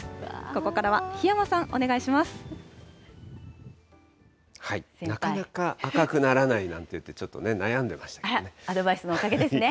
ここからは檜山さん、お願いしまなかなか赤くならないなんて言って、ちょっとね、悩んでましたね。